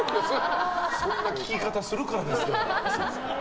そんな聞き方するからですよ。